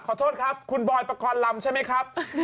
ขอโทษครับคุณบอยประกอบลำใช่มั้ยครับ